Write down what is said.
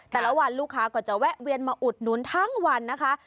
แต่ละวันลูกค้าก็จะแวะเวียนมาอุดหนุนทั้งวันนะคะ